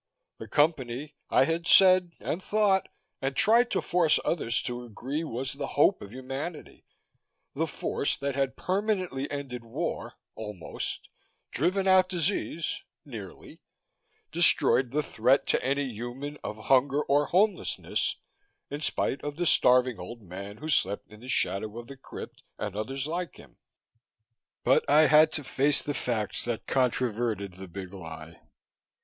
The Company, I had said and thought and tried to force others to agree, was the hope of humanity the force that had permanently ended war (almost), driven out disease (nearly), destroyed the threat to any human of hunger or homelessness (in spite of the starving old man who slept in the shadow of the crypt, and others like him). But I had to face the facts that controverted the Big Lie.